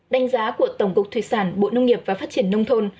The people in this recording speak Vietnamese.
đánh giá của tổng cục thủy sản bộ nông nghiệp và phát triển nông thôn